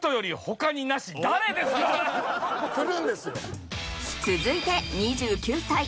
来るんですよ。